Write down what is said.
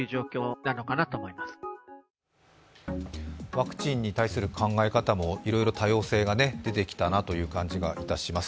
ワクチンに対する考え方も多様性が出てきたなという感じがします。